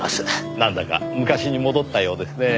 なんだか昔に戻ったようですねぇ。